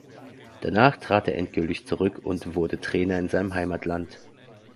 Danach trat er endgültig zurück und wurde Trainer in seinem Heimatland.